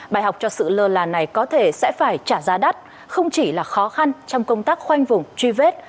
bài học cho sự lơ là này có thể sẽ phải trả giá đắt không chỉ là khó khăn trong công tác khoanh vùng truy vết